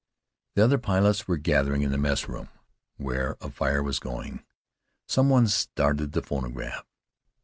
The other pilots were gathering in the messroom, where a fire was going. Some one started the phonograph.